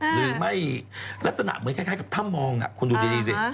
หรือไม่ลักษณะเหมือนคล้ายกับถ้ำมองคุณดูดีสิ